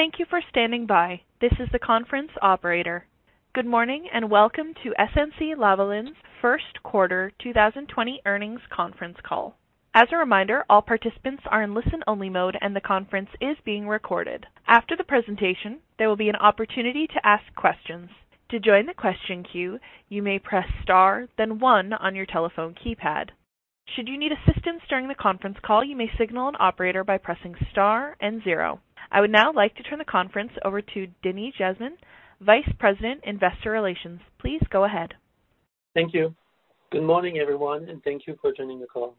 Thank you for standing by. This is the conference operator. Good morning, and welcome to SNC-Lavalin's Q1 2020 earnings conference call. As a reminder, all participants are in listen-only mode, and the conference is being recorded. After the presentation, there will be an opportunity to ask questions. To join the question queue, you may press star then one on your telephone keypad. Should you need assistance during the conference call, you may signal an operator by pressing star and zero. I would now like to turn the conference over to Denis Jasmin, Vice President, Investor Relations. Please go ahead. Thank you. Good morning, everyone, thank you for joining the call.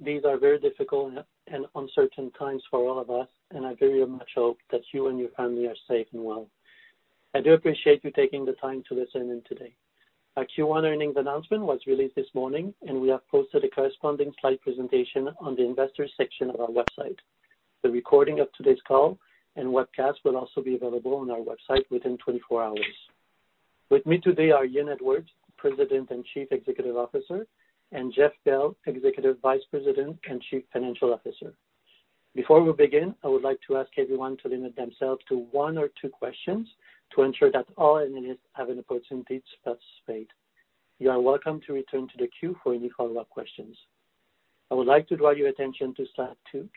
These are very difficult and uncertain times for all of us, and I very much hope that you and your family are safe and well. I do appreciate you taking the time to listen in today. Our Q1 earnings announcement was released this morning, and we have posted a corresponding slide presentation on the investors section of our website. The recording of today's call and webcast will also be available on our website within 24 hours. With me today are Ian Edwards, President and Chief Executive Officer, and Jeff Bell, Executive Vice President and Chief Financial Officer. Before we begin, I would like to ask everyone to limit themselves to one or two questions to ensure that all analysts have an opportunity to participate. You are welcome to return to the queue for any follow-up questions. I would like to draw your attention to slide two.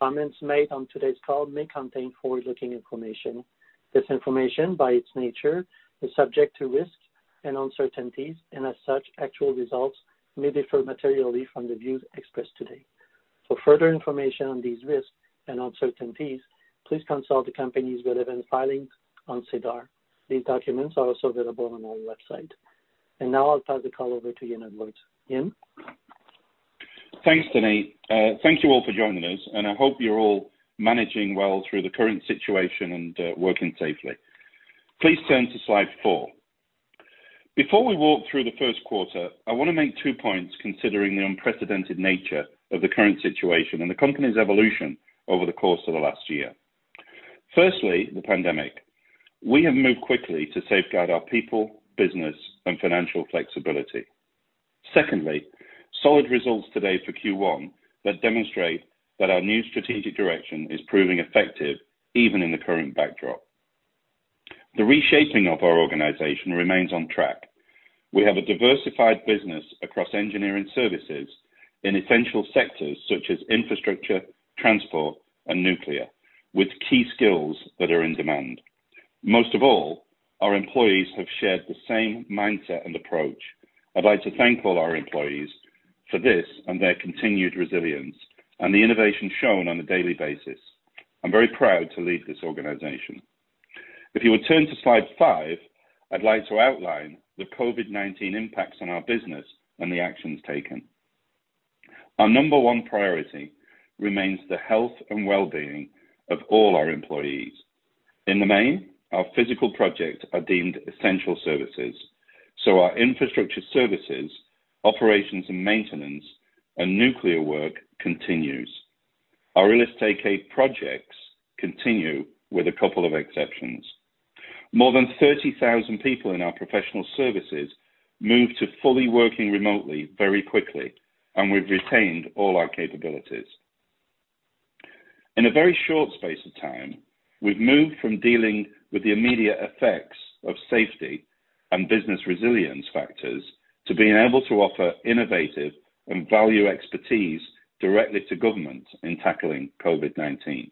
Comments made on today's call may contain forward-looking information. This information, by its nature, is subject to risks and uncertainties and as such, actual results may differ materially from the views expressed today. For further information on these risks and uncertainties, please consult the company's relevant filings on SEDAR. These documents are also available on our website. Now I'll pass the call over to Ian Edwards. Ian? Thanks, Denis. Thank you all for joining us, and I hope you're all managing well through the current situation and working safely. Please turn to slide four. Before we walk through the Q1, I want to make two points considering the unprecedented nature of the current situation and the company's evolution over the course of the last year. Firstly, the pandemic. We have moved quickly to safeguard our people, business, and financial flexibility. Secondly, solid results today for Q1 that demonstrate that our new strategic direction is proving effective even in the current backdrop. The reshaping of our organization remains on track. We have a diversified business across engineering services in essential sectors such as infrastructure, transport, and nuclear, with key skills that are in demand. Most of all, our employees have shared the same mindset and approach. I'd like to thank all our employees for this and their continued resilience and the innovation shown on a daily basis. I'm very proud to lead this organization. If you would turn to slide five, I'd like to outline the COVID-19 impacts on our business and the actions taken. Our number one priority remains the health and well-being of all our employees. In the main, our physical projects are deemed essential services. Our infrastructure services, operations and maintenance, and nuclear work continues. Our LSTK projects continue with a couple of exceptions. More than 30,000 people in our professional services moved to fully working remotely very quickly, and we've retained all our capabilities. In a very short space of time, we've moved from dealing with the immediate effects of safety and business resilience factors to being able to offer innovative and value expertise directly to government in tackling COVID-19.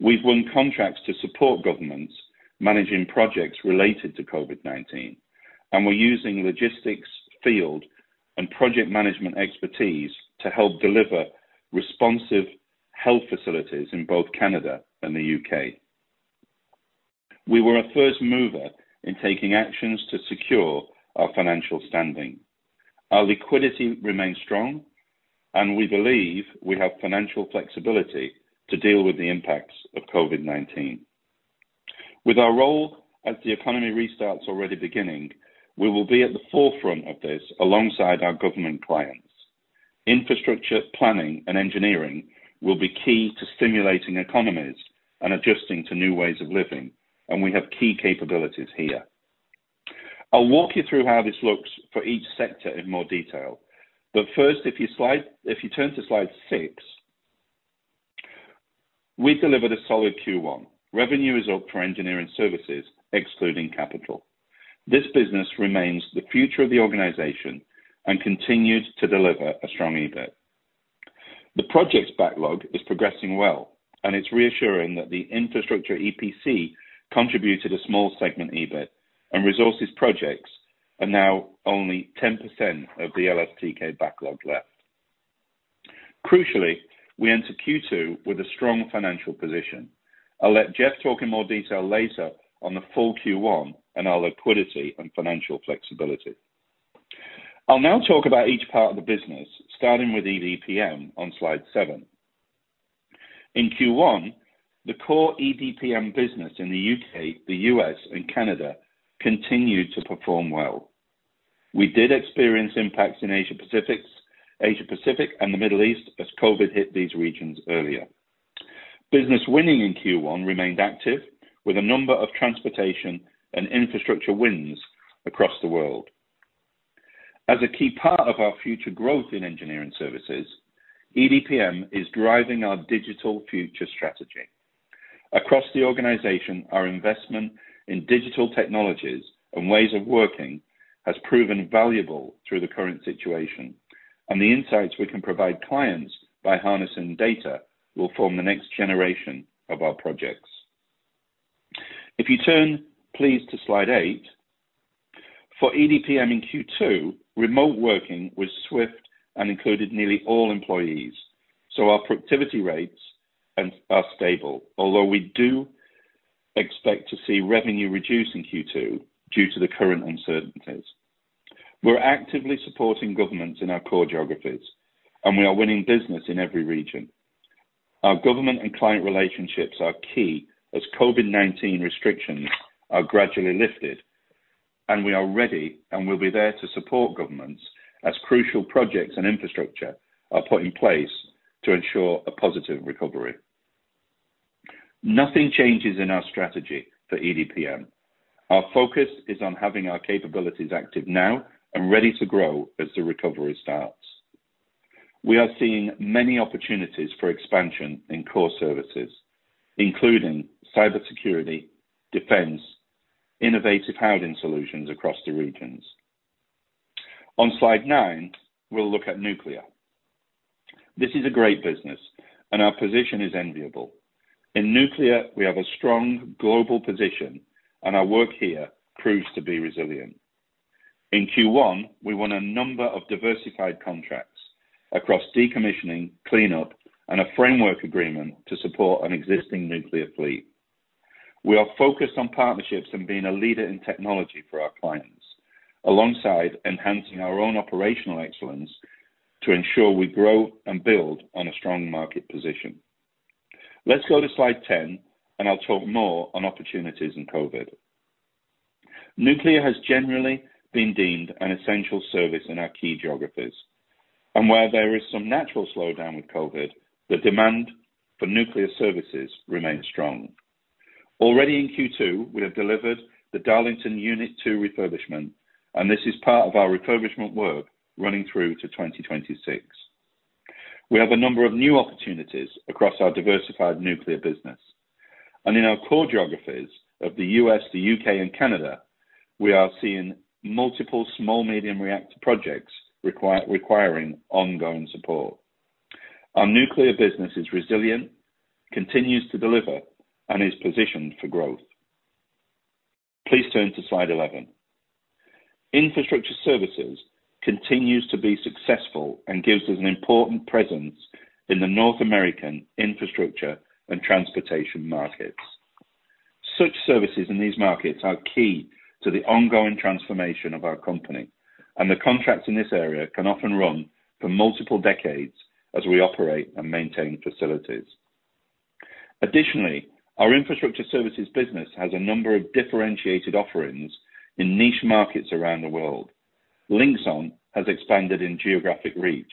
We've won contracts to support governments managing projects related to COVID-19. We're using logistics, field, and project management expertise to help deliver responsive health facilities in both Canada and the U.K. We were a first mover in taking actions to secure our financial standing. Our liquidity remains strong. We believe we have financial flexibility to deal with the impacts of COVID-19. With our role as the economy restarts already beginning, we will be at the forefront of this alongside our government clients. Infrastructure planning and engineering will be key to stimulating economies and adjusting to new ways of living. We have key capabilities here. I'll walk you through how this looks for each sector in more detail. First, if you turn to slide six, we delivered a solid Q1. Revenue is up for engineering services, excluding capital. This business remains the future of the organization and continues to deliver a strong EBIT. The project's backlog is progressing well, and it's reassuring that the Infrastructure EPC contributed a small segment EBIT and resources projects are now only 10% of the LSTK backlog left. Crucially, we enter Q2 with a strong financial position. I'll let Jeff talk in more detail later on the full Q1 and our liquidity and financial flexibility. I'll now talk about each part of the business, starting with EDPM on slide seven. In Q1, the core EDPM business in the U.K., the U.S., and Canada continued to perform well. We did experience impacts in Asia-Pacific and the Middle East as COVID-19 hit these regions earlier. Business winning in Q1 remained active with a number of transportation and infrastructure wins across the world. As a key part of our future growth in Engineering Services, EDPM is driving our digital future strategy. Across the organization, our investment in digital technologies and ways of working has proven valuable through the current situation, and the insights we can provide clients by harnessing data will form the next generation of our projects. If you turn, please, to slide eight. For EDPM in Q2, remote working was swift and included nearly all employees, so our productivity rates are stable, although we do expect to see revenue reduce in Q2 due to the current uncertainties. We're actively supporting governments in our core geographies, and we are winning business in every region. Our government and client relationships are key as COVID-19 restrictions are gradually lifted, and we are ready, and we'll be there to support governments as crucial projects and infrastructure are put in place to ensure a positive recovery. Nothing changes in our strategy for EDPM. Our focus is on having our capabilities active now and ready to grow as the recovery starts. We are seeing many opportunities for expansion in core services, including cybersecurity, defense, innovative housing solutions across the regions. On slide nine, we'll look at nuclear. This is a great business, and our position is enviable. In nuclear, we have a strong global position, and our work here proves to be resilient. In Q1, we won a number of diversified contracts across decommissioning, cleanup, and a framework agreement to support an existing nuclear fleet. We are focused on partnerships and being a leader in technology for our clients, alongside enhancing our own operational excellence to ensure we grow and build on a strong market position. Let's go to slide 10, and I'll talk more on opportunities and COVID. Nuclear has generally been deemed an essential service in our key geographies, and while there is some natural slowdown with COVID, the demand for nuclear services remains strong. Already in Q2, we have delivered the Darlington Unit 2 refurbishment, and this is part of our refurbishment work running through to 2026. We have a number of new opportunities across our diversified nuclear business, and in our core geographies of the U.S., the U.K., and Canada, we are seeing multiple small medium reactor projects requiring ongoing support. Our nuclear business is resilient, continues to deliver, and is positioned for growth. Please turn to slide 11. Infrastructure services continues to be successful and gives us an important presence in the North American infrastructure and transportation markets. Such services in these markets are key to the ongoing transformation of our company, and the contracts in this area can often run for multiple decades as we operate and maintain facilities. Additionally, our infrastructure services business has a number of differentiated offerings in niche markets around the world. Linxon has expanded in geographic reach,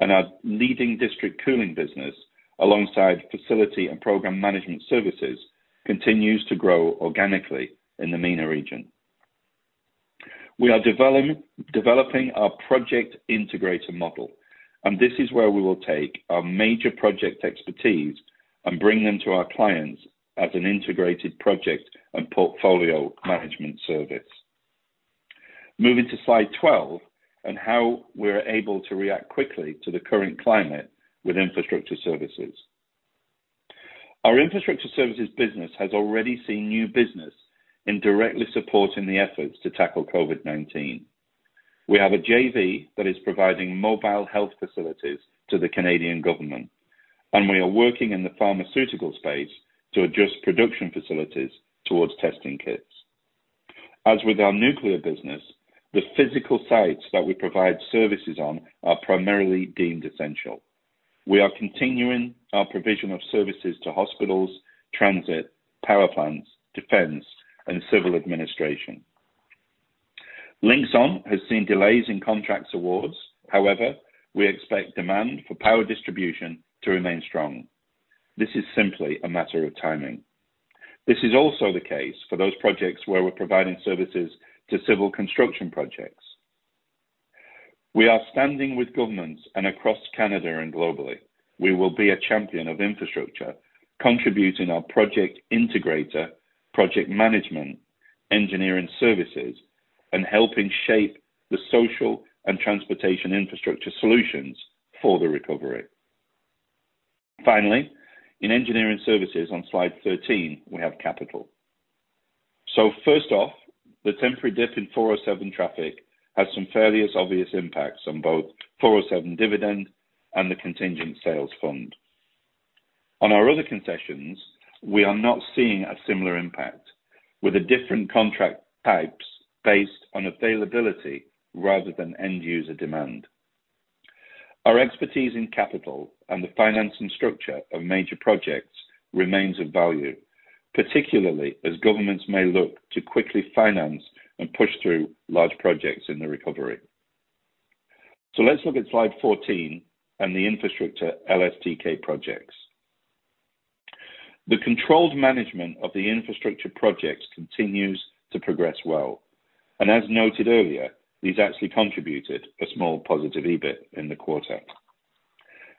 and our leading district cooling business, alongside facility and program management services, continues to grow organically in the MENA region. We are developing our project integrator model, and this is where we will take our major project expertise and bring them to our clients as an integrated project and portfolio management service. Moving to slide 12 on how we are able to react quickly to the current climate with infrastructure services. Our infrastructure services business has already seen new business in directly supporting the efforts to tackle COVID-19. We have a JV that is providing mobile health facilities to the Canadian government, and we are working in the pharmaceutical space to adjust production facilities towards testing kits. As with our nuclear business, the physical sites that we provide services on are primarily deemed essential. We are continuing our provision of services to hospitals, transit, power plants, defense, and civil administration. Linxon has seen delays in contracts awards. However, we expect demand for power distribution to remain strong. This is simply a matter of timing. This is also the case for those projects where we're providing services to civil construction projects. We are standing with governments and across Canada and globally. We will be a champion of infrastructure, contributing our project integrator, project management, engineering services, and helping shape the social and transportation infrastructure solutions for the recovery. Finally, in engineering services on slide 13, we have capital. First off, the temporary dip in 407 traffic has some fairly obvious impacts on both 407 dividend and the contingent consideration receivable. On our other concessions, we are not seeing a similar impact with the different contract types based on availability rather than end-user demand. Our expertise in capital and the finance and structure of major projects remains of value, particularly as governments may look to quickly finance and push through large projects in the recovery. Let's look at slide 14 and the infrastructure LSTK projects. The controlled management of the infrastructure projects continues to progress well. As noted earlier, these actually contributed a small positive EBIT in the quarter.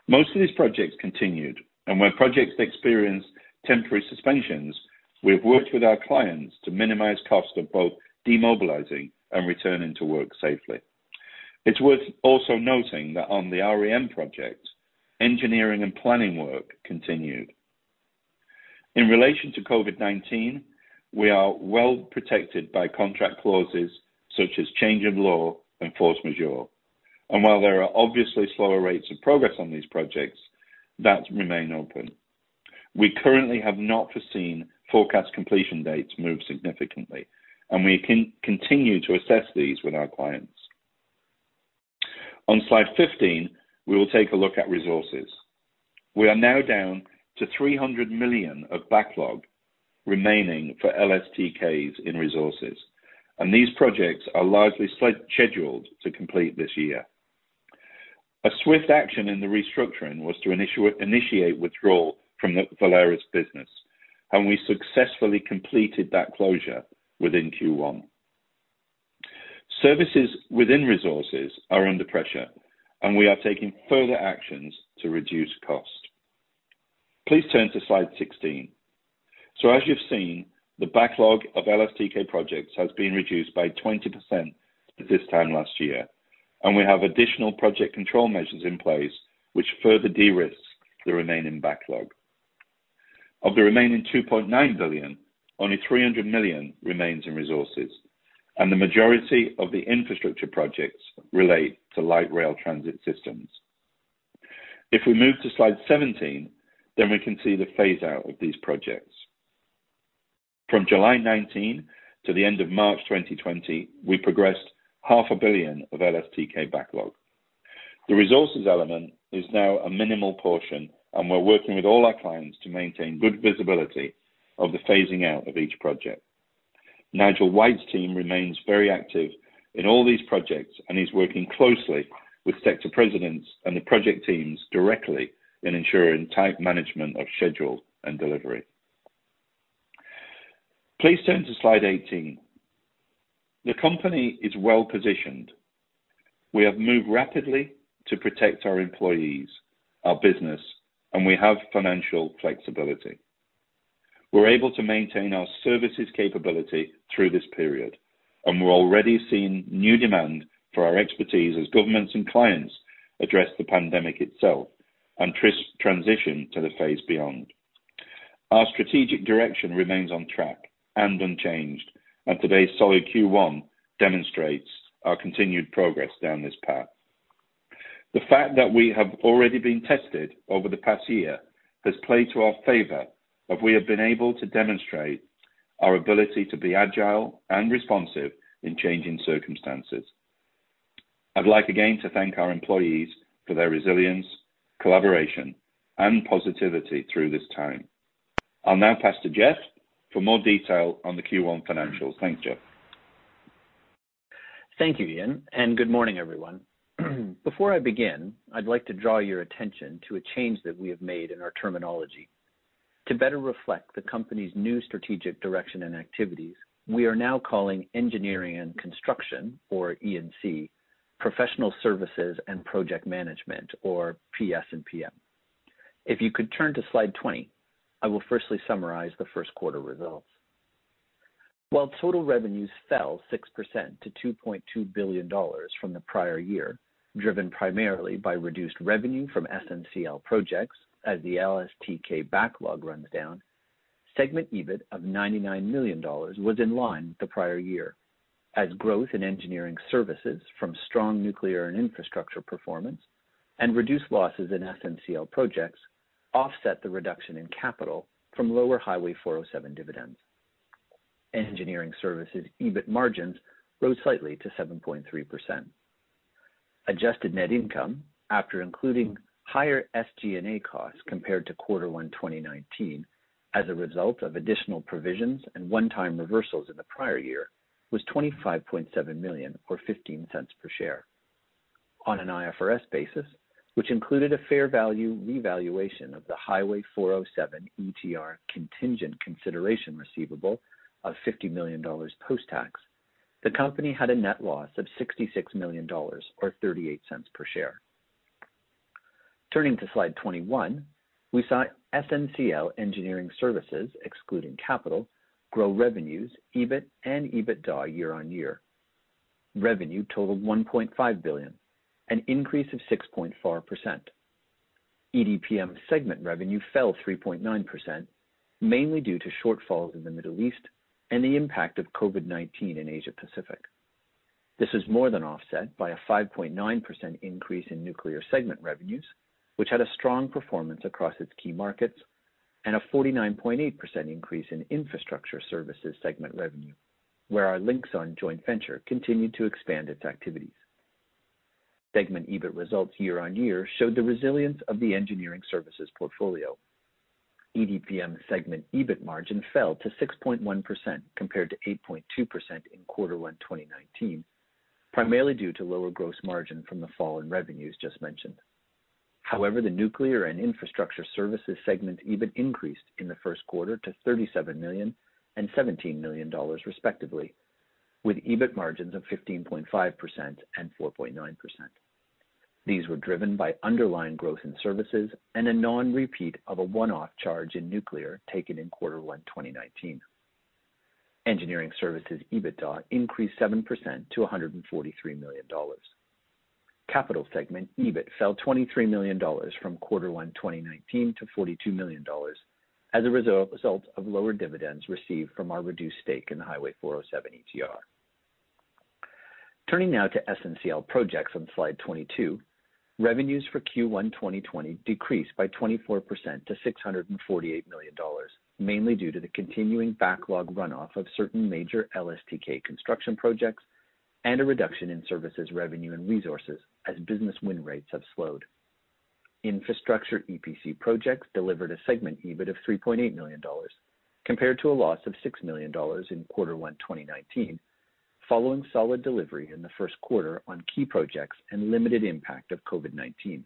Most of these projects continued, where projects experienced temporary suspensions, we have worked with our clients to minimize cost of both demobilizing and returning to work safely. It's worth also noting that on the REM projects, engineering and planning work continued. In relation to COVID-19, we are well protected by contract clauses such as change of law and force majeure. While there are obviously slower rates of progress on these projects that remain open, we currently have not foreseen forecast completion dates move significantly, and we continue to assess these with our clients. On slide 15, we will take a look at resources. We are now down to 300 million of backlog remaining for LSTKs in resources, these projects are largely scheduled to complete this year. A swift action in the restructuring was to initiate withdrawal from the Valerus business, and we successfully completed that closure within Q1. Services within resources are under pressure, and we are taking further actions to reduce cost. Please turn to slide 16. As you've seen, the backlog of LSTK projects has been reduced by 20% at this time last year, and we have additional project control measures in place which further de-risks the remaining backlog. Of the remaining 2.9 billion, only 300 million remains in resources, and the majority of the infrastructure projects relate to light rail transit systems. If we move to slide 17, then we can see the phaseout of these projects. From July 2019 to the end of March 2020, we progressed CAD half a billion of LSTK backlog. The resources element is now a minimal portion, and we're working with all our clients to maintain good visibility of the phasing out of each project. Nigel White's team remains very active in all these projects and is working closely with sector presidents and the project teams directly in ensuring tight management of schedule and delivery. Please turn to slide 18. The company is well positioned. We have moved rapidly to protect our employees, our business, and we have financial flexibility. We're able to maintain our services capability through this period, and we're already seeing new demand for our expertise as governments and clients address the pandemic itself and transition to the phase beyond. Our strategic direction remains on track and unchanged, and today's solid Q1 demonstrates our continued progress down this path. The fact that we have already been tested over the past year has played to our favor, as we have been able to demonstrate our ability to be agile and responsive in changing circumstances. I'd like again to thank our employees for their resilience, collaboration, and positivity through this time. I'll now pass to Jeff for more detail on the Q1 financials. Thanks, Jeff. Thank you, Ian. Good morning, everyone. Before I begin, I'd like to draw your attention to a change that we have made in our terminology. To better reflect the company's new strategic direction and activities, we are now calling Engineering and Construction, or E&C, Professional Services and Project Management, or PS&PM. If you could turn to slide 20, I will firstly summarize the Q1 results. While total revenues fell 6% to 2.2 billion dollars from the prior year, driven primarily by reduced revenue from SNCL Projects as the LSTK backlog runs down, segment EBIT of 99 million dollars was in line with the prior year, as growth in engineering services from strong nuclear and infrastructure performance and reduced losses in SNCL Projects offset the reduction in capital from lower Highway 407 dividends. Engineering services EBIT margins rose slightly to 7.3%. Adjusted net income after including higher SG&A costs compared to quarter one 2019 as a result of additional provisions and one-time reversals in the prior year was 25.7 million, or 0.15 per share. On an IFRS basis, which included a fair value revaluation of the Highway 407 ETR contingent consideration receivable of 50 million dollars post-tax, the company had a net loss of 66 million dollars, or 0.38 per share. Turning to slide 21, we saw SNCL Engineering Services, excluding capital, grow revenues, EBIT, and EBITDA year-on-year. Revenue totaled 1.5 billion, an increase of 6.4%. EDPM segment revenue fell 3.9%, mainly due to shortfalls in the Middle East and the impact of COVID-19 in Asia Pacific. This was more than offset by a 5.9% increase in nuclear segment revenues, which had a strong performance across its key markets, and a 49.8% increase in infrastructure services segment revenue, where our Linxon joint venture continued to expand its activities. Segment EBIT results year-over-year showed the resilience of the engineering services portfolio. EDPM segment EBIT margin fell to 6.1% compared to 8.2% in Q1 2019. Primarily due to lower gross margin from the fall in revenues just mentioned. The nuclear and infrastructure services segment EBIT increased in the Q1 to 37 million and 17 million dollars respectively, with EBIT margins of 15.5% and 4.9%. These were driven by underlying growth in services and a non-repeat of a one-off charge in nuclear taken in Q1 2019. Engineering Services EBITDA increased 7% to 143 million dollars. Capital segment EBIT fell 23 million dollars from quarter one 2019 to 42 million dollars as a result of lower dividends received from our reduced stake in the Highway 407 ETR. Turning now to SNCL Projects on slide 22, revenues for Q1 2020 decreased by 24% to 648 million dollars, mainly due to the continuing backlog runoff of certain major LSTK construction projects and a reduction in services revenue and resources as business win rates have slowed. Infrastructure EPC projects delivered a segment EBIT of 3.8 million dollars, compared to a loss of 6 million dollars in quarter one 2019, following solid delivery in the Q1 on key projects and limited impact of COVID-19.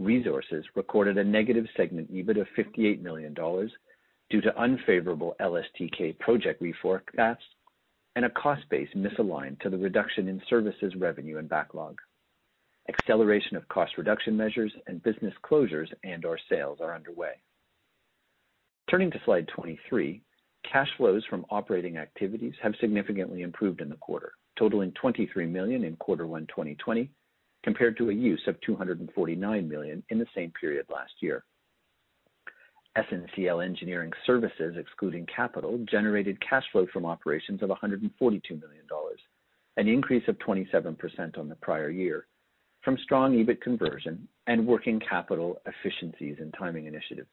Resources recorded a negative segment EBIT of 58 million dollars due to unfavorable LSTK project forecasts and a cost base misaligned to the reduction in services revenue and backlog. Acceleration of cost reduction measures and business closures and/or sales are underway. Turning to slide 23, cash flows from operating activities have significantly improved in the quarter, totaling 23 million in quarter one 2020, compared to a use of 249 million in the same period last year. SNCL Engineering Services, excluding capital, generated cash flow from operations of 142 million dollars, an increase of 27% on the prior year from strong EBIT conversion and working capital efficiencies and timing initiatives.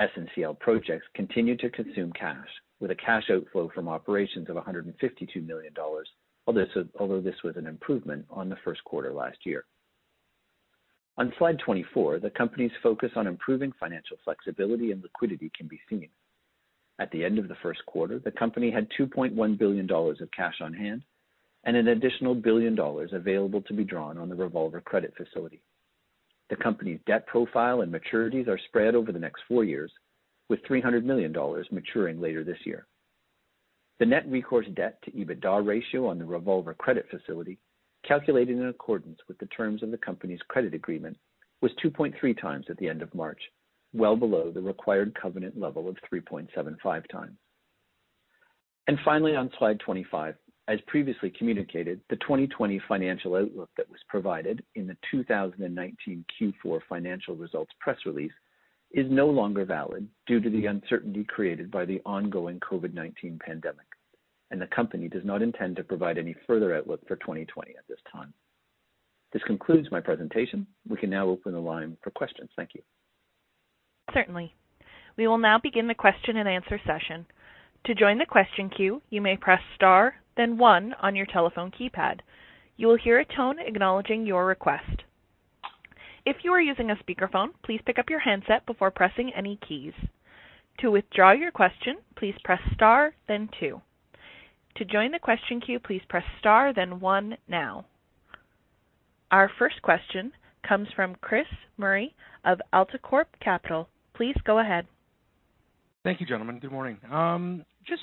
SNCL Projects continued to consume cash with a cash outflow from operations of 152 million dollars, although this was an improvement on the Q1 last year. On slide 24, the company's focus on improving financial flexibility and liquidity can be seen. At the end of the Q1, the company had 2.1 billion dollars of cash on hand and an additional 1 billion dollars available to be drawn on the revolver credit facility. The company's debt profile and maturities are spread over the next four years, with 300 million dollars maturing later this year. The net recourse debt to EBITDA ratio on the revolver credit facility, calculated in accordance with the terms of the company's credit agreement, was 2.3 times at the end of March, well below the required covenant level of 3.75 times. Finally, on slide 25, as previously communicated, the 2020 financial outlook that was provided in the 2019 Q4 financial results press release is no longer valid due to the uncertainty created by the ongoing COVID-19 pandemic. The company does not intend to provide any further outlook for 2020 at this time. This concludes my presentation. We can now open the line for questions. Thank you. Certainly. We will now begin the question and answer session. To join the question queue, you may press star then one on your telephone keypad. You will hear a tone acknowledging your request. If you are using a speakerphone, please pick up your handset before pressing any keys. To withdraw your question, please press star then two. To join the question queue, please press star then one now. Our first question comes from Chris Murray of AltaCorp Capital. Please go ahead. Thank you, gentlemen. Good morning. Just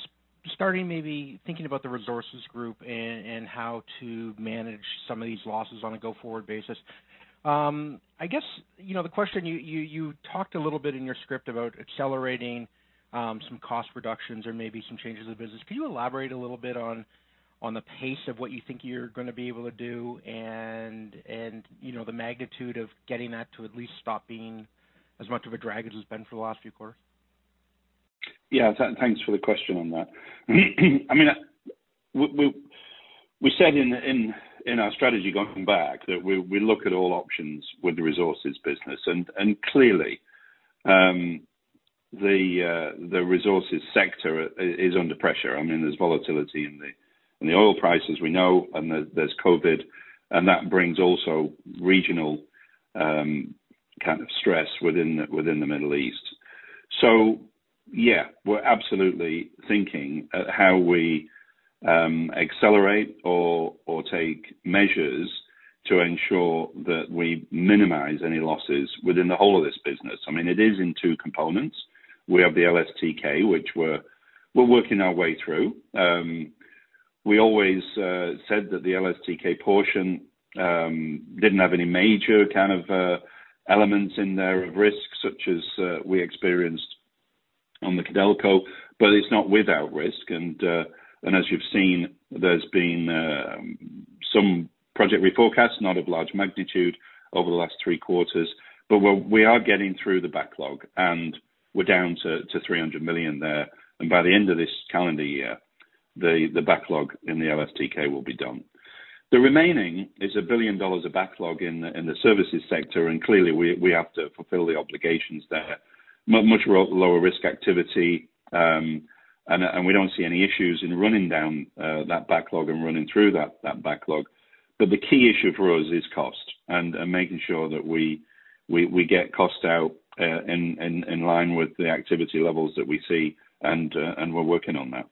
starting, maybe thinking about the resources group and how to manage some of these losses on a go-forward basis. You talked a little bit in your script about accelerating some cost reductions or maybe some changes in the business. Can you elaborate a little bit on the pace of what you think you're going to be able to do and the magnitude of getting that to at least stop being as much of a drag as it's been for the last few quarters? Yeah. Thanks for the question on that. We said in our strategy going back that we look at all options with the resources business, and clearly, the resources sector is under pressure. There's volatility in the oil prices we know, and there's COVID, and that brings also regional kind of stress within the Middle East. Yeah, we're absolutely thinking at how we accelerate or take measures to ensure that we minimize any losses within the whole of this business. It is in two components. We have the LSTK, which we're working our way through. We always said that the LSTK portion didn't have any major kind of elements in there of risk, such as we experienced on the Codelco, but it's not without risk. As you've seen, there's been some project reforecast, not of large magnitude over the last three quarters. We are getting through the backlog, and we're down to 300 million there. By the end of this calendar year, the backlog in the LSTK will be done. The remaining is 1 billion dollars of backlog in the services sector. Clearly, we have to fulfill the obligations there. Much lower risk activity. We don't see any issues in running down that backlog and running through that backlog. The key issue for us is cost and making sure that we get cost out in line with the activity levels that we see, and we're working on that.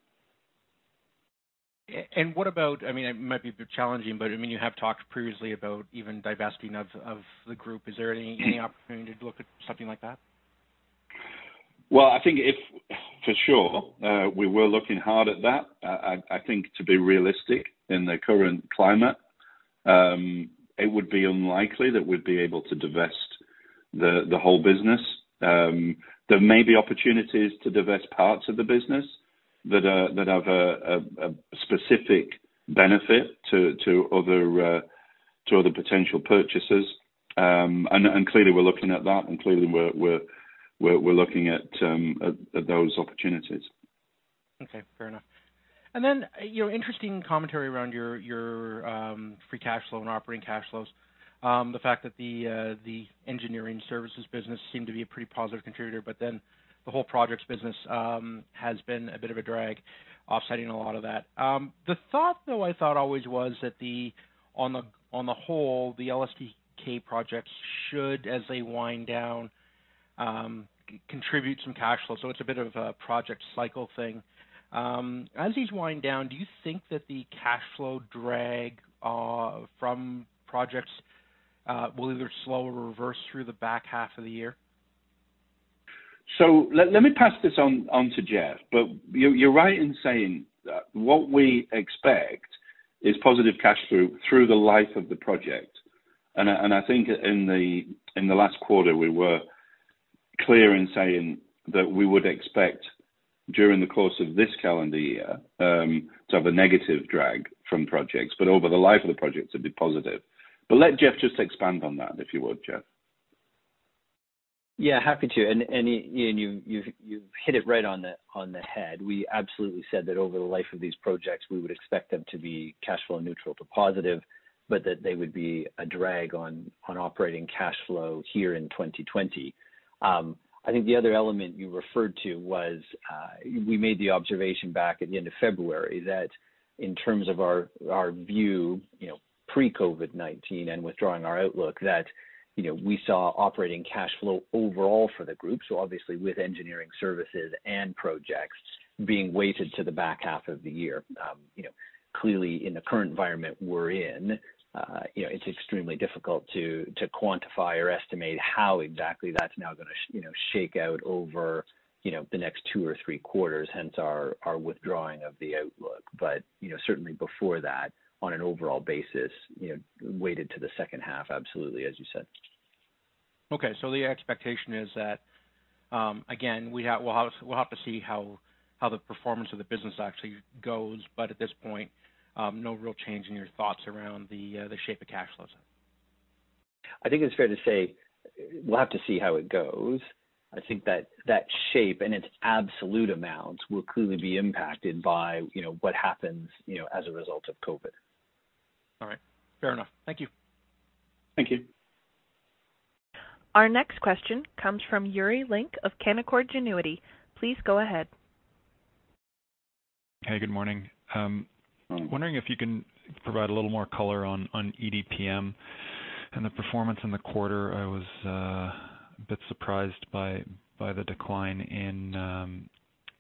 What about, it might be a bit challenging, but you have talked previously about even divesting of the group. Is there any opportunity to look at something like that? Well, I think for sure we were looking hard at that. I think to be realistic in the current climate, it would be unlikely that we'd be able to divest the whole business. There may be opportunities to divest parts of the business that have a specific benefit to other potential purchasers. Clearly we're looking at that, and clearly we're looking at those opportunities. Okay, fair enough. Interesting commentary around your free cash flow and operating cash flows. The fact that the SNCL Engineering Services seemed to be a pretty positive contributor, but then the whole SNCL Projects has been a bit of a drag offsetting a lot of that. The thought, though, I thought always was that on the whole, the LSTK projects should, as they wind down, contribute some cash flow. It's a bit of a project cycle thing. As these wind down, do you think that the cash flow drag from projects will either slow or reverse through the back half of the year? Let me pass this on to Jeff, but you're right in saying that what we expect is positive cash flow through the life of the project. I think in the last quarter, we were clear in saying that we would expect, during the course of this calendar year, to have a negative drag from projects, but over the life of the projects, it'd be positive. Let Jeff just expand on that, if you would, Jeff. Happy to. You hit it right on the head. We absolutely said that over the life of these projects, we would expect them to be cash flow neutral to positive, but that they would be a drag on operating cash flow here in 2020. I think the other element you referred to was, we made the observation back at the end of February that in terms of our view, pre-COVID-19 and withdrawing our outlook, that we saw operating cash flow overall for the group, so obviously with engineering services and projects being weighted to the back half of the year. Clearly in the current environment we're in, it's extremely difficult to quantify or estimate how exactly that's now going to shake out over the next two or three quarters, hence our withdrawing of the outlook. Certainly before that, on an overall basis, weighted to the H2, absolutely, as you said. Okay, the expectation is that, again, we'll have to see how the performance of the business actually goes, but at this point, no real change in your thoughts around the shape of cash flows. I think it's fair to say we'll have to see how it goes. I think that that shape and its absolute amounts will clearly be impacted by what happens as a result of COVID. All right. Fair enough. Thank you. Thank you. Our next question comes from Yuri Lynk of Canaccord Genuity. Please go ahead. Hey, good morning. I'm wondering if you can provide a little more color on EDPM and the performance in the quarter. I was a bit surprised by the decline in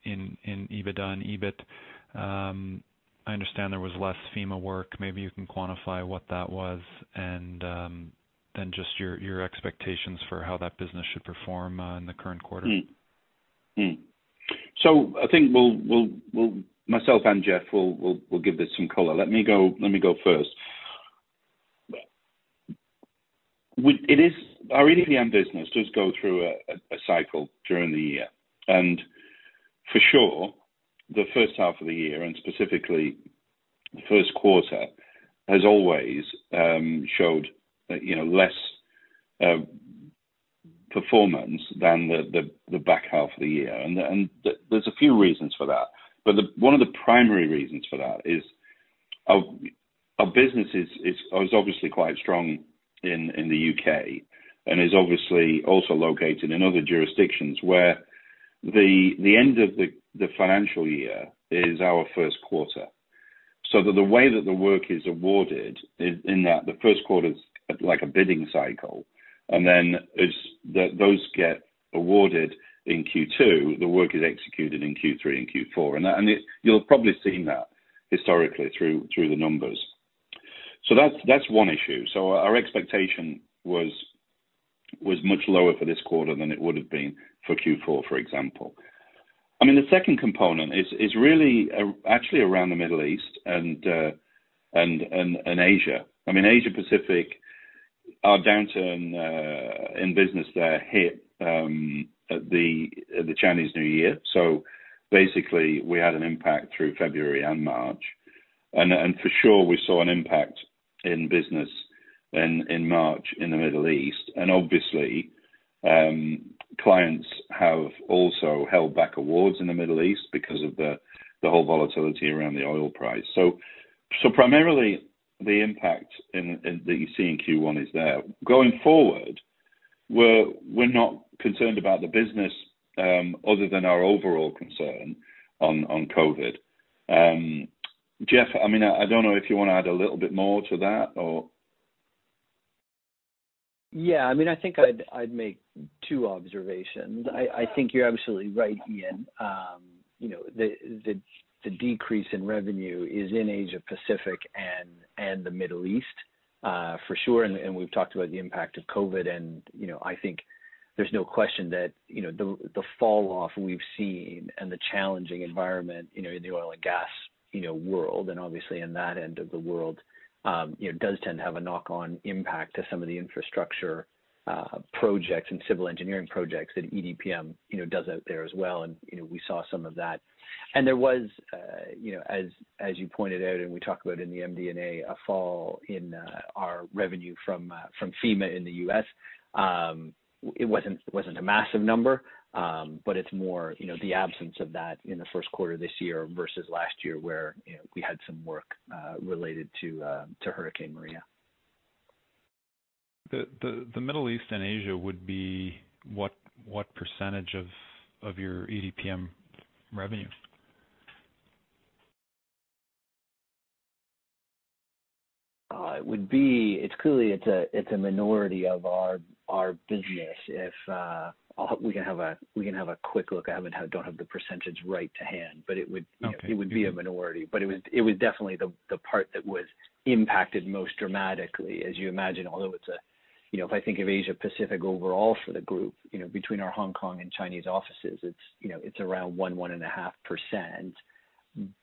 EBITDA and EBIT. I understand there was less FEMA work. Maybe you can quantify what that was, and then just your expectations for how that business should perform in the current quarter. I think myself and Jeff will give this some color. Let me go first. Our EDPM business does go through a cycle during the year, and for sure, the H1 of the year, and specifically the Q1, has always showed less performance than the back half of the year. There's a few reasons for that. One of the primary reasons for that is our business is obviously quite strong in the U.K. and is obviously also located in other jurisdictions where the end of the financial year is our Q1. That the way that the work is awarded in that the Q1 is like a bidding cycle, and then those get awarded in Q2. The work is executed in Q3 and Q4. You'll probably have seen that historically through the numbers. That's one issue. Our expectation was much lower for this quarter than it would have been for Q4, for example. The second component is really actually around the Middle East and Asia. Asia Pacific, our downturn in business there hit at the Chinese New Year. Basically we had an impact through February and March. For sure, we saw an impact in business in March in the Middle East. Obviously, clients have also held back awards in the Middle East because of the whole volatility around the oil price. Primarily the impact that you see in Q1 is there. We're not concerned about the business other than our overall concern on COVID. Jeff, I don't know if you want to add a little bit more to that, or? Yeah. I think I'd make two observations. I think you're absolutely right, Ian. The decrease in revenue is in Asia Pacific and the Middle East, for sure, and we've talked about the impact of COVID and I think there's no question that the fall-off we've seen and the challenging environment, in the oil and gas world, and obviously in that end of the world, does tend to have a knock-on impact to some of the infrastructure projects and civil engineering projects that EDPM does out there as well, and we saw some of that. There was, as you pointed out and we talk about in the MD&A, a fall in our revenue from FEMA in the U.S. It wasn't a massive number, but it's more the absence of that in the Q1 this year versus last year, where we had some work related to Hurricane Maria. The Middle East and Asia would be what percentage of your EDPM revenue? It's clearly a minority of our business. If we can have a quick look, I don't have the percentage right to hand. Okay. It would be a minority. It was definitely the part that was impacted most dramatically, as you imagine, although if I think of Asia Pacific overall for the group, between our Hong Kong and Chinese offices, it's around one, 1.5%.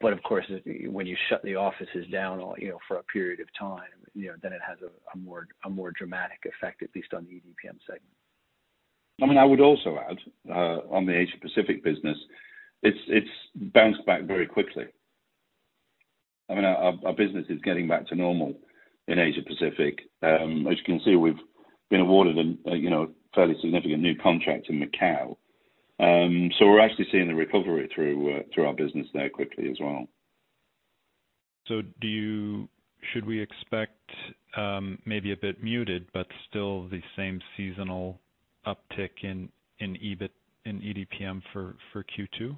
Of course, when you shut the offices down for a period of time, then it has a more dramatic effect, at least on the EDPM segment. I would also add, on the Asia Pacific business, it's bounced back very quickly. Our business is getting back to normal in Asia Pacific. As you can see, we've been awarded a fairly significant new contract in Macau. We're actually seeing the recovery through our business there quickly as well. Should we expect maybe a bit muted but still the same seasonal uptick in EBIT, in EDPM for Q2?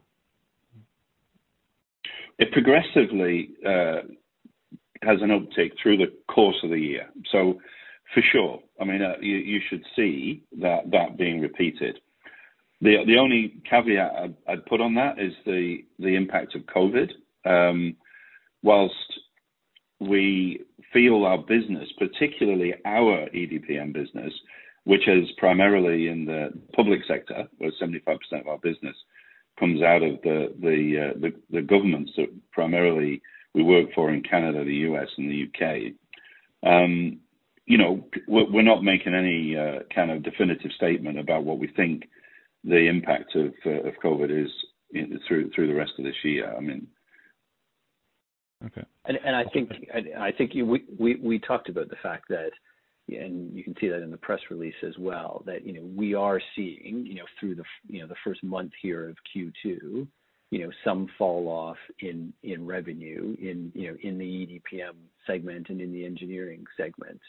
It progressively has an uptick through the course of the year. For sure, you should see that being repeated. The only caveat I'd put on that is the impact of COVID-19. Whilst we feel our business, particularly our EDPM business, which is primarily in the public sector, where 75% of our business comes out of the governments that primarily we work for in Canada, the U.S., and the U.K. We're not making any kind of definitive statement about what we think the impact of COVID-19 is through the rest of this year. Okay. I think we talked about the fact that, and you can see that in the press release as well, that we are seeing through the first month here of Q2, some fall off in revenue in the EDPM segment and in the engineering segment.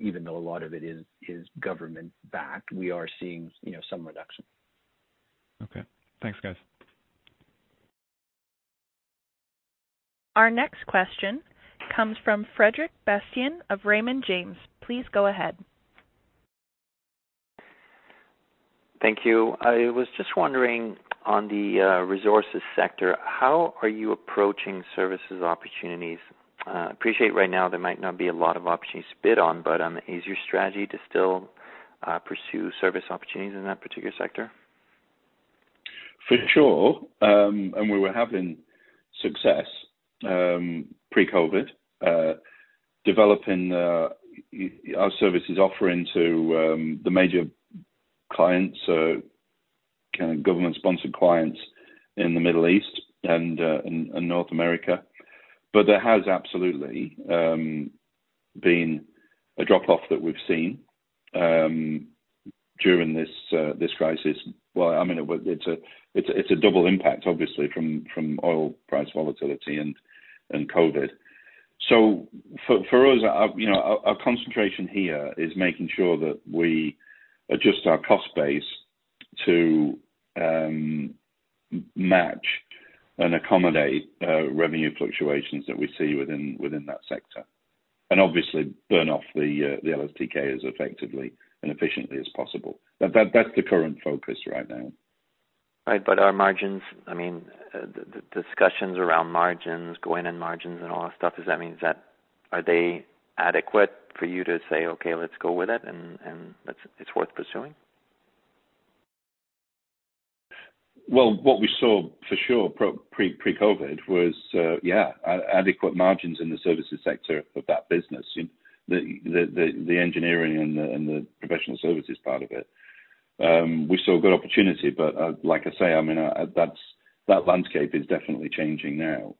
Even though a lot of it is government-backed, we are seeing some reduction. Okay. Thanks, guys. Our next question comes from Frederic Bastien of Raymond James. Please go ahead. Thank you. I was just wondering on the resources sector, how are you approaching services opportunities? I appreciate right now there might not be a lot of opportunities to bid on, but is your strategy to still pursue service opportunities in that particular sector? For sure, we were having success pre-COVID-19, developing our services offering to the major clients, kind of government-sponsored clients in the Middle East and North America. There has absolutely been a drop-off that we've seen during this crisis. Well, it's a double impact, obviously, from oil price volatility and COVID-19. For us, our concentration here is making sure that we adjust our cost base to match and accommodate revenue fluctuations that we see within that sector. Obviously burn off the LSTK as effectively and efficiently as possible. That's the current focus right now. Right. Our margins, the discussions around margins, going in margins and all that stuff, are they adequate for you to say, "Okay, let's go with it," and it's worth pursuing? Well, what we saw for sure pre-COVID-19 was, yeah, adequate margins in the services sector of that business, the engineering and the professional services part of it. We saw a good opportunity, like I say, that landscape is definitely changing now.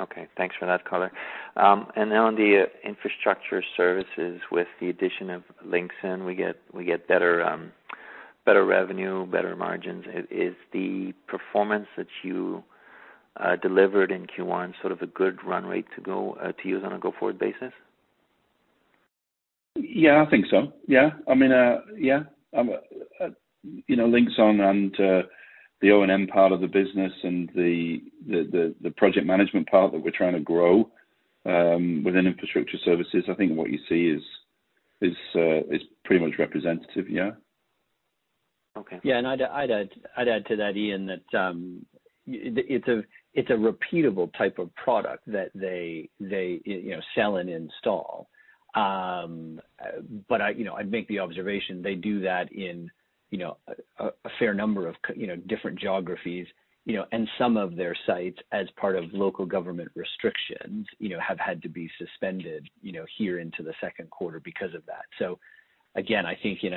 Okay. Thanks for that color. Now on the infrastructure services with the addition of Linxon, we get better revenue, better margins. Is the performance that you delivered in Q1 sort of a good run rate to use on a go-forward basis? Yeah, I think so. Yeah. Linxon and the O&M part of the business and the project management part that we're trying to grow within infrastructure services, I think what you see is pretty much representative, yeah. Okay. Yeah, I'd add to that, Ian, that it's a repeatable type of product that they sell and install. I'd make the observation they do that in a fair number of different geographies. Some of their sites, as part of local government restrictions, have had to be suspended here into the Q2 because of that. Again, I think in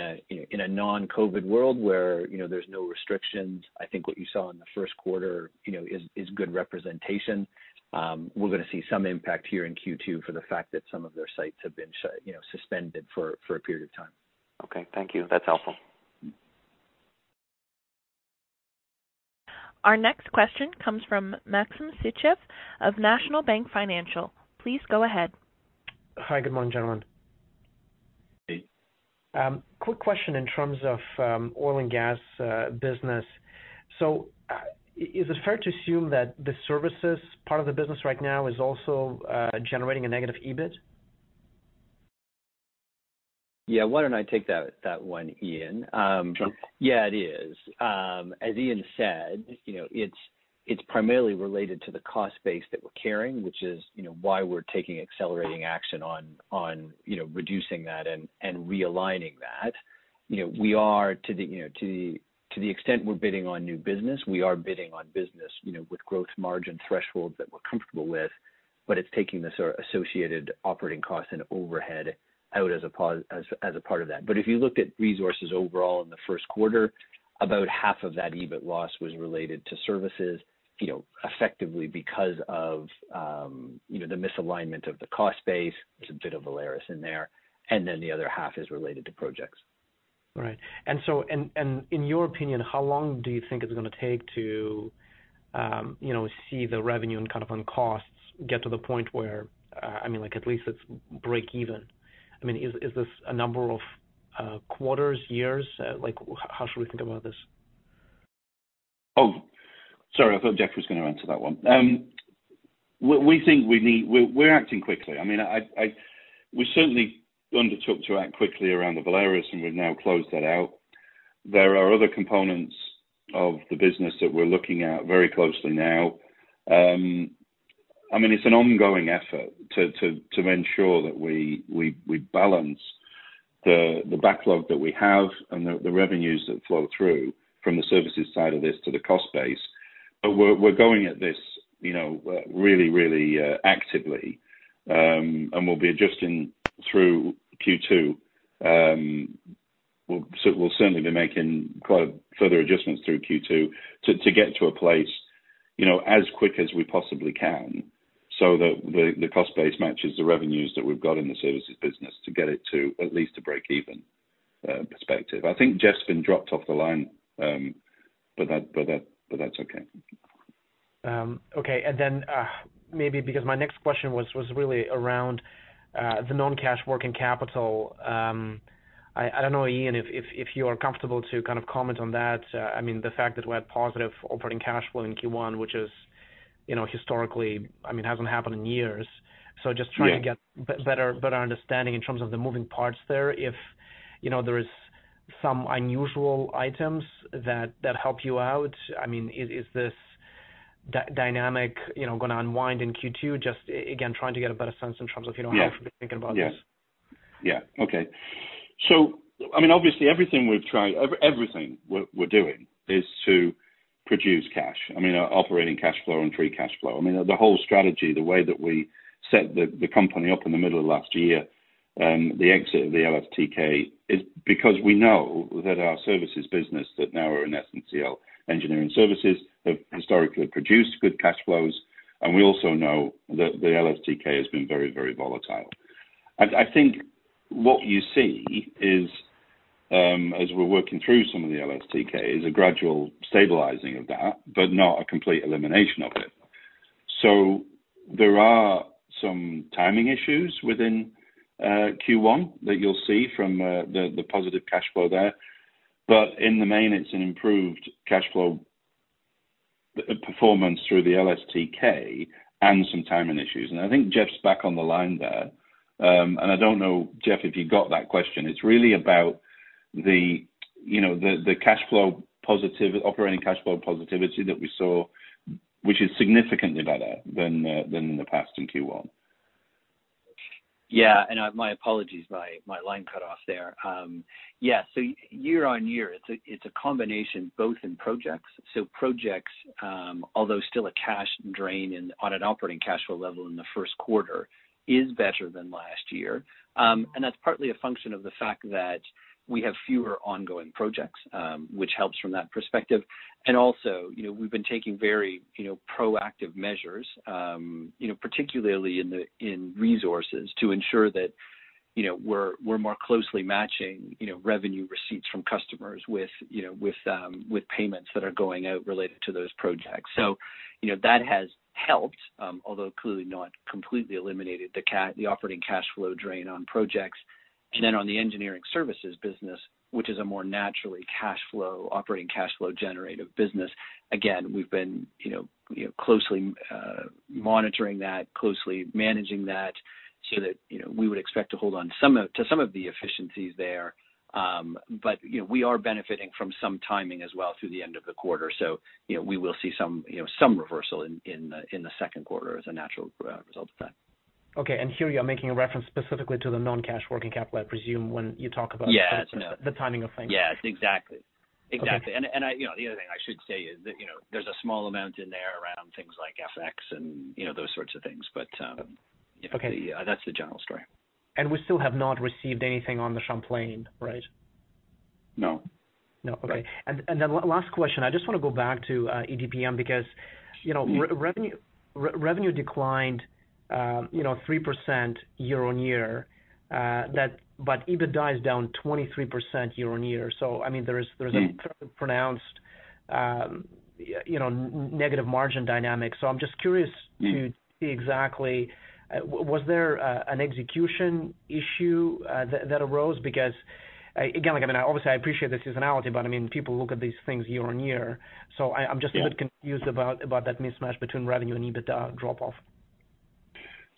a non-COVID world where there's no restrictions, I think what you saw in the Q1 is good representation. We're going to see some impact here in Q2 for the fact that some of their sites have been suspended for a period of time. Okay. Thank you. That's helpful. Our next question comes from Maxim Sytchev of National Bank Financial. Please go ahead. Hi, good morning, gentlemen. Hey. Quick question in terms of oil and gas business. Is it fair to assume that the services part of the business right now is also generating a negative EBIT? Yeah, why don't I take that one, Ian. Sure. Yeah, it is. As Ian said, it is primarily related to the cost base that we are carrying, which is why we are taking accelerating action on reducing that and realigning that. To the extent we are bidding on new business, we are bidding on business with growth margin thresholds that we are comfortable with, but it is taking the associated operating costs and overhead out as a part of that. If you looked at resources overall in the Q1, about half of that EBIT loss was related to services, effectively because of the misalignment of the cost base. There is a bit of Valerus in there, and then the other half is related to projects. Right. In your opinion, how long do you think it's going to take to see the revenue and cut up on costs get to the point where at least it's break even? Is this a number of quarters, years? How should we think about this? Oh, sorry. I thought Jeff was going to answer that one. We're acting quickly. We certainly undertook to act quickly around the Valerus, and we've now closed that out. There are other components of the business that we're looking at very closely now. It's an ongoing effort to ensure that we balance the backlog that we have and the revenues that flow through from the services side of this to the cost base. We're going at this really actively, and we'll be adjusting through Q2. We'll certainly be making quite further adjustments through Q2 to get to a place as quick as we possibly can so that the cost base matches the revenues that we've got in the services business to get it to at least a break-even perspective. I think Jeff's been dropped off the line, that's okay. Okay. Maybe because my next question was really around the non-cash working capital. I don't know, Ian, if you are comfortable to comment on that. The fact that we had positive operating cash flow in Q1, which historically hasn't happened in years. Yeah get better understanding in terms of the moving parts there. If there is some unusual items that help you out, is this dynamic going to unwind in Q2? Just again, trying to get a better sense in terms of how I should be thinking about this. Okay. Obviously, everything we're doing is to produce cash, operating cash flow and free cash flow. The whole strategy, the way that we set the company up in the middle of last year, the exit of the LSTK, is because we know that our services business that now are in SNCL Engineering Services, have historically produced good cash flows, and we also know that the LSTK has been very, very volatile. I think what you see is, as we're working through some of the LSTK, is a gradual stabilizing of that, but not a complete elimination of it. There are some timing issues within Q1 that you'll see from the positive cash flow there. In the main, it's an improved cash flow performance through the LSTK and some timing issues. I think Jeff's back on the line there. I don't know, Jeff, if you got that question. It's really about the operating cash flow positivity that we saw, which is significantly better than the past in Q1. My apologies, my line cut off there. Year on year, it's a combination both in SNCL Projects. SNCL Projects, although still a cash drain on an operating cash flow level in the Q1, is better than last year. That's partly a function of the fact that we have fewer ongoing projects, which helps from that perspective. We've been taking very proactive measures, particularly in resources, to ensure that we're more closely matching revenue receipts from customers with payments that are going out related to those projects. That has helped, although clearly not completely eliminated the operating cash flow drain on SNCL Projects. On the SNCL Engineering Services business, which is a more naturally operating cash flow generative business, again, we've been closely monitoring that, closely managing that so that we would expect to hold on to some of the efficiencies there. We are benefiting from some timing as well through the end of the quarter. We will see some reversal in the Q2 as a natural result of that. Okay, here you're making a reference specifically to the non-cash working capital, I presume, when you talk about? Yeah the timing of things. Yes, exactly. Okay. The other thing I should say is that there's a small amount in there around things like FX and those sorts of things. Okay That's the general story. We still have not received anything on the Champlain, right? No. No. Okay. Last question. I just want to go back to EDPM because revenue declined 3% year-over-year, but EBITDA is down 23% year-over-year. There is a pronounced negative margin dynamic. I'm just curious to see exactly, was there an execution issue that arose? Because, again, obviously, I appreciate the seasonality, but people look at these things year-over-year. I'm just a bit confused about that mismatch between revenue and EBITDA drop off.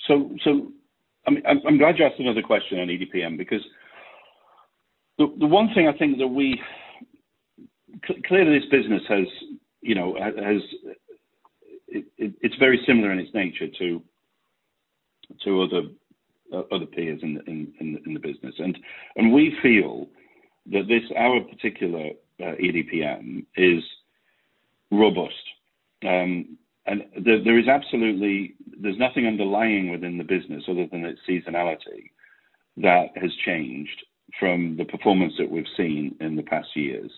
I'm glad you asked another question on EDPM because the one thing I think that Clearly this business it's very similar in its nature to other peers in the business. We feel that our particular EDPM is robust. There's nothing underlying within the business other than its seasonality that has changed from the performance that we've seen in the past years,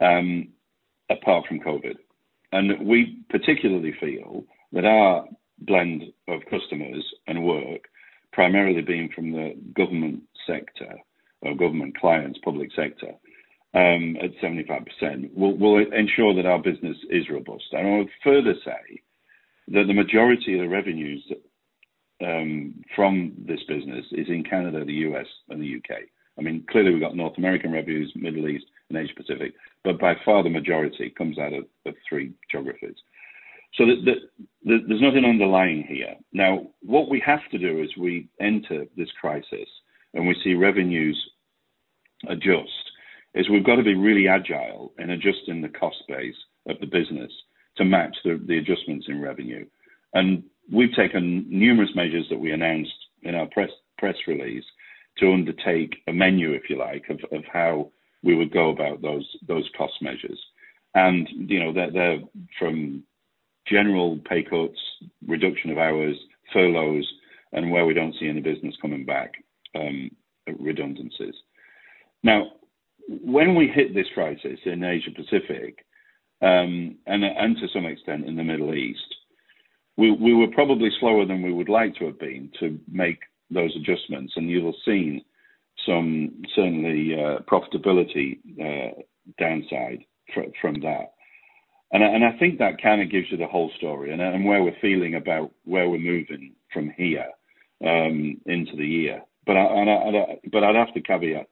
apart from COVID-19. We particularly feel that our blend of customers and work primarily being from the government sector or government clients, public sector, at 75%, will ensure that our business is robust. I would further say that the majority of the revenues from this business is in Canada, the U.S., and the U.K. Clearly, we've got North American revenues, Middle East, and Asia Pacific, but by far the majority comes out of three geographies. There's nothing underlying here. Now, what we have to do as we enter this crisis and we see revenues adjust, is we've got to be really agile in adjusting the cost base of the business to match the adjustments in revenue. We've taken numerous measures that we announced in our press release to undertake a menu, if you like, of how we would go about those cost measures. They're from general pay cuts, reduction of hours, furloughs, and where we don't see any business coming back, redundancies. Now, when we hit this crisis in Asia Pacific, and to some extent in the Middle East, we were probably slower than we would like to have been to make those adjustments, and you'll have seen some, certainly profitability downside from that. I think that kind of gives you the whole story and where we're feeling about where we're moving from here into the year. I'd have to caveat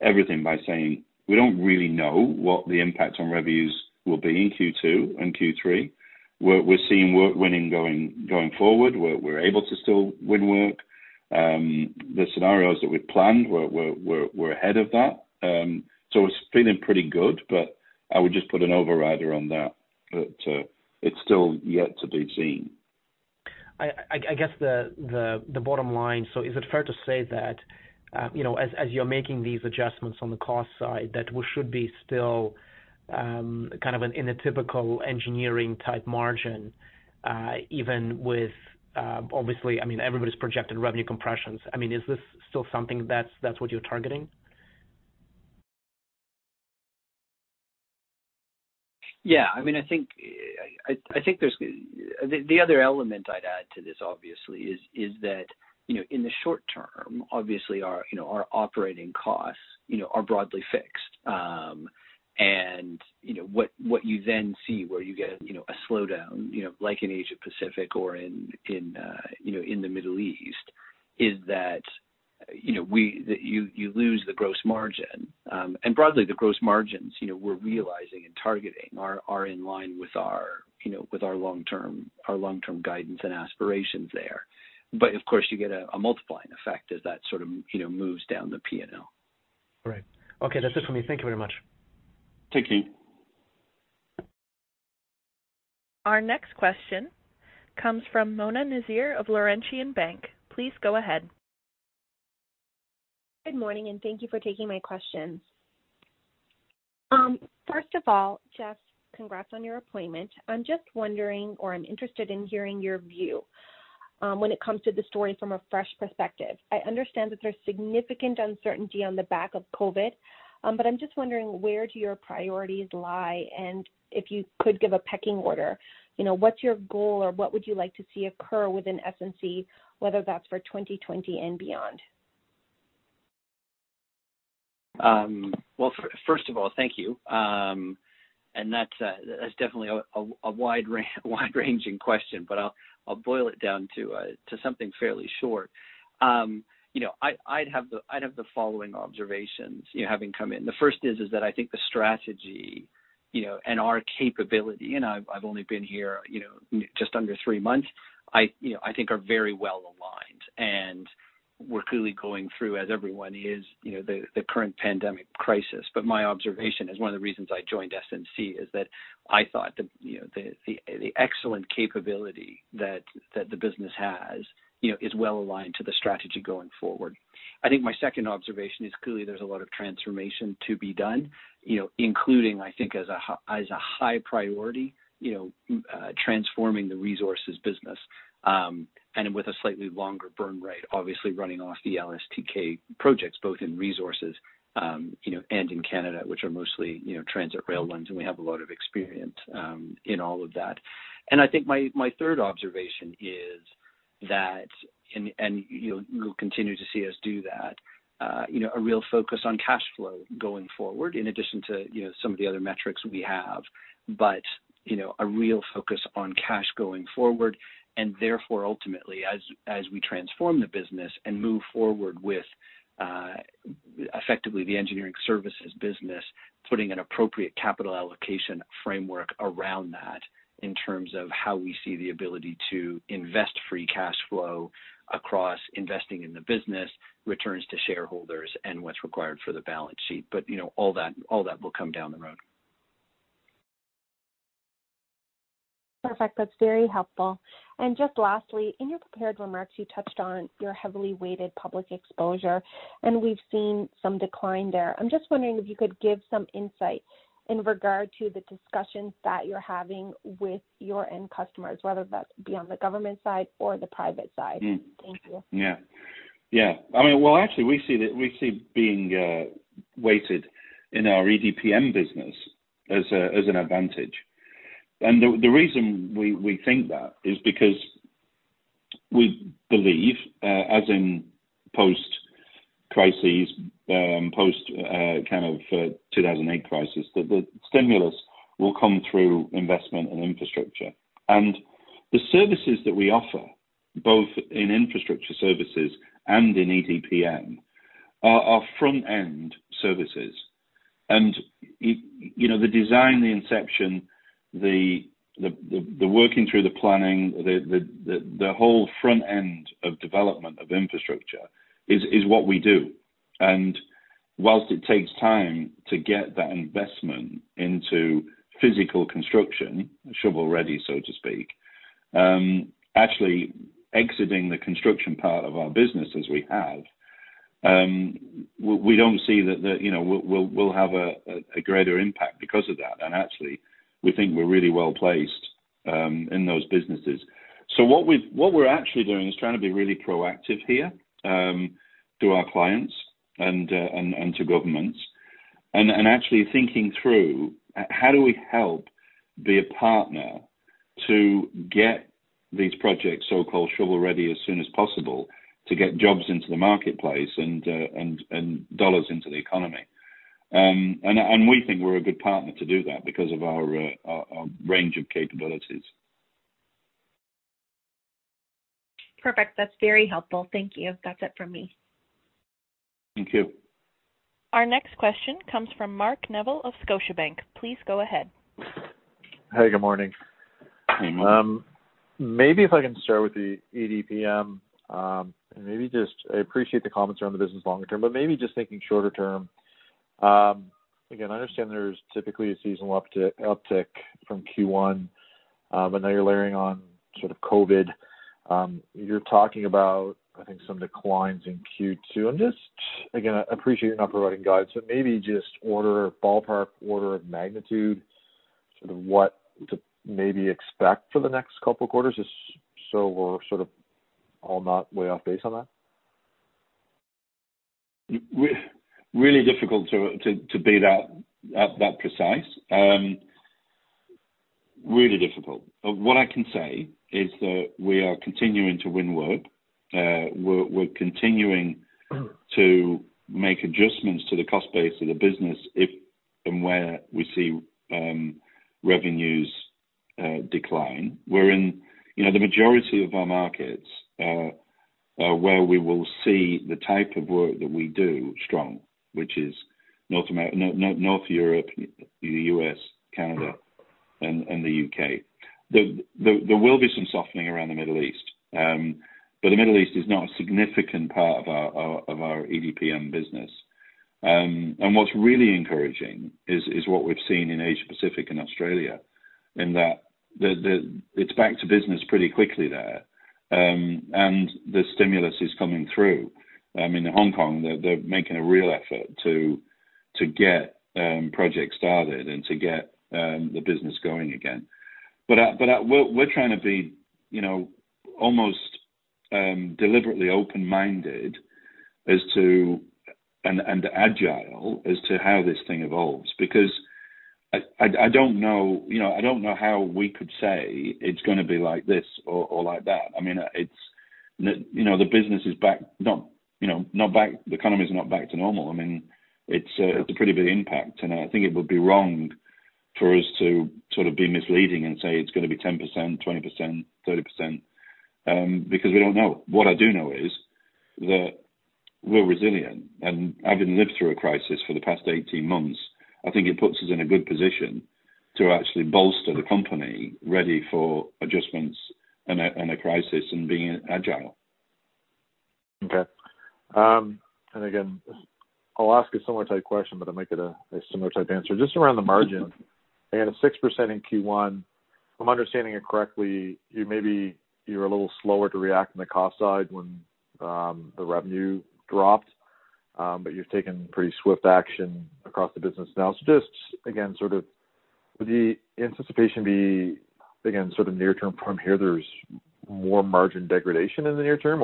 everything by saying we don't really know what the impact on revenues will be in Q2 and Q3. We're seeing work winning going forward. We're able to still win work. The scenarios that we'd planned, we're ahead of that. It's feeling pretty good, but I would just put an overrider on that it's still yet to be seen. I guess the bottom line, is it fair to say that as you're making these adjustments on the cost side, that we should be still in a typical engineering type margin, even with, obviously, everybody's projected revenue compressions? Is this still something that's what you're targeting? Yeah. The other element I’d add to this, obviously, is that in the short term, obviously our operating costs are broadly fixed. What you then see where you get a slowdown, like in Asia Pacific or in the Middle East, is that you lose the gross margin. Broadly, the gross margins we’re realizing and targeting are in line with our long-term guidance and aspirations there. Of course, you get a multiplying effect as that sort of moves down the P&L. All right. Okay. That's it for me. Thank you very much. Thank you. Our next question comes from Mona Nazir of Laurentian Bank. Please go ahead. Good morning. Thank you for taking my questions. First of all, Jeff, congrats on your appointment. I'm just wondering, or I'm interested in hearing your view when it comes to the story from a fresh perspective, I understand that there's significant uncertainty on the back of COVID-19, but I'm just wondering where do your priorities lie? If you could give a pecking order, what's your goal or what would you like to see occur within SNC, whether that's for 2020 and beyond? Well, first of all, thank you. That's definitely a wide ranging question, but I'll boil it down to something fairly short. I'd have the following observations, having come in. The first is that I think the strategy, and our capability, and I've only been here just under three months, I think are very well-aligned and we're clearly going through, as everyone is, the current pandemic crisis. My observation as one of the reasons I joined SNC is that I thought the excellent capability that the business has, is well aligned to the strategy going forward. I think my second observation is clearly there's a lot of transformation to be done, including, I think as a high priority, transforming the resources business. With a slightly longer burn rate, obviously running off the LSTK projects, both in resources, and in Canada, which are mostly transit rail lines, and we have a lot of experience in all of that. I think my third observation is that, and you'll continue to see us do that, a real focus on cash flow going forward, in addition to some of the other metrics we have. A real focus on cash going forward, and therefore ultimately as we transform the business and move forward with effectively the engineering services business, putting an appropriate capital allocation framework around that in terms of how we see the ability to invest free cash flow across investing in the business, returns to shareholders, and what's required for the balance sheet. All that will come down the road. Perfect. That's very helpful. Just lastly, in your prepared remarks, you touched on your heavily weighted public exposure, and we've seen some decline there. I'm just wondering if you could give some insight in regard to the discussions that you're having with your end customers, whether that be on the government side or the private side. Thank you. Well, actually, we see being weighted in our EDPM business as an advantage. The reason we think that is because we believe, as in post-crises, post kind of 2008 crisis, that the stimulus will come through investment and infrastructure. The services that we offer, both in infrastructure services and in EDPM, are front-end services. The design, the inception, the working through the planning, the whole front end of development of infrastructure is what we do. Whilst it takes time to get that investment into physical construction, shovel ready, so to speak, actually exiting the construction part of our business as we have, we don't see that we'll have a greater impact because of that. Actually, we think we're really well-placed in those businesses. What we're actually doing is trying to be really proactive here, to our clients and to governments and actually thinking through how do we help be a partner to get these projects so-called shovel ready as soon as possible to get jobs into the marketplace and dollars into the economy. We think we're a good partner to do that because of our range of capabilities. Perfect. That's very helpful. Thank you. That's it from me. Thank you. Our next question comes from Mark Neville of Scotiabank. Please go ahead. Hey, good morning. Hi, Mark. If I can start with the EDPM, I appreciate the comments around the business longer term, just thinking shorter term. I understand there's typically a seasonal uptick from Q1, now you're layering on sort of COVID. You're talking about, I think, some declines in Q2, just, again, I appreciate you're not providing guides, maybe just ballpark order of magnitude, sort of what to maybe expect for the next couple of quarters just so we're sort of all not way off base on that. Really difficult to be that precise. Really difficult. What I can say is that we are continuing to win work. We're continuing to make adjustments to the cost base of the business if and where we see revenues decline. We're in the majority of our markets, where we will see the type of work that we do strong, which is North Europe, the U.S., Canada and the U.K. There will be some softening around the Middle East. The Middle East is not a significant part of our EDPM business. What's really encouraging is what we've seen in Asia-Pacific and Australia, in that it's back to business pretty quickly there. The stimulus is coming through. In Hong Kong, they're making a real effort to To get projects started and to get the business going again. We're trying to be almost deliberately open-minded and agile as to how this thing evolves, because I don't know how we could say it's going to be like this or like that. I mean, the economy's not back to normal. I mean, it's a pretty big impact, and I think it would be wrong for us to sort of be misleading and say it's going to be 10%, 20%, 30%, because we don't know. What I do know is that we're resilient, and having lived through a crisis for the past 18 months, I think it puts us in a good position to actually bolster the company ready for adjustments in a crisis and being agile. Okay. Again, I'll ask a similar type question, but I might get a similar type answer. Just around the margin. Again, a 6% in Q1. If I'm understanding it correctly, maybe you were a little slower to react on the cost side when the revenue dropped. You've taken pretty swift action across the business now. Just, again, sort of would the anticipation be, again, sort of near term from here, there's more margin degradation in the near term?